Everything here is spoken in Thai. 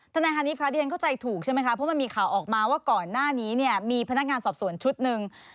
นายฮานิคะที่ฉันเข้าใจถูกใช่ไหมคะเพราะมันมีข่าวออกมาว่าก่อนหน้านี้เนี่ยมีพนักงานสอบสวนชุดหนึ่ง